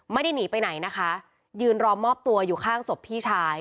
ไม่ได้หนีไปไหนนะคะยืนรอมอบตัวอยู่ข้างศพพี่ชาย